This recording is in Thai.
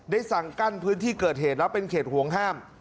สั่งกั้นพื้นที่เกิดเหตุแล้วเป็นเขตห่วงห้าม